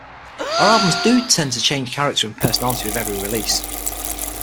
Our albums do tend to change character and personality with every release.